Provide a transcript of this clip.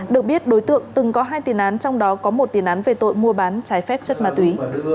được biết đối tượng từng có hai tiền án trong đó có một tiền án về tội mua bán trái phép chất ma túy